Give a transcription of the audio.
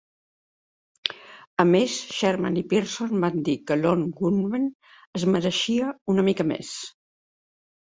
A més, Shearman i Pearson, van dir que el Lone Gunmen es mereixia una mica més.